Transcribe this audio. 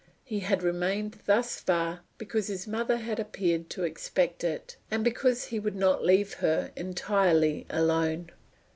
He had remained thus far because his mother had appeared to expect it, and because he would not leave her entirely alone.